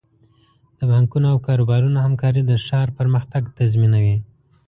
د بانکونو او کاروبارونو همکاري د ښار پرمختګ تضمینوي.